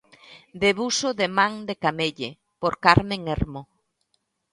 Debuxo de Man de Camelle, por Carmen Hermo.